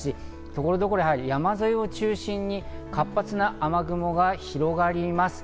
所々山沿いを中心に活発な雨雲が広がります。